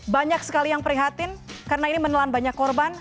banyak sekali yang prihatin karena ini menelan banyak korban